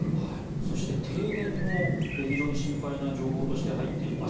そして停電も非常に心配な情報として入っています。